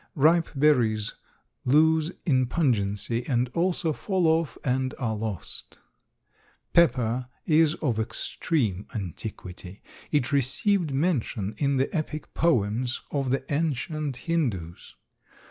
Ripe berries lose in pungency and also fall off and are lost. Pepper is of extreme antiquity. It received mention in the epic poems of the ancient Hindoos.